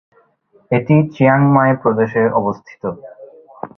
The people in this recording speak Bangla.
এটি চিয়াং মাই প্রদেশে অবস্থিত।